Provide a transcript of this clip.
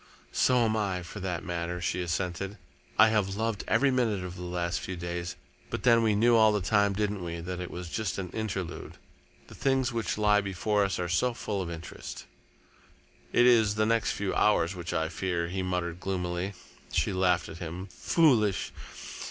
"So am I, for that matter," she assented. "I have loved every minute of the last few days, but then we knew all the time, didn't we, that it was just an interlude? The things which lie before us are so full of interest." "It is the next few hours which I fear," he muttered gloomily. She laughed at him. "Foolish!